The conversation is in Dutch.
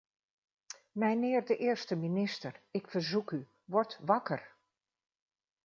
Mijnheer de eerste minister, ik verzoek u: wordt wakker!